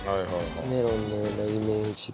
メロンのようなイメージで。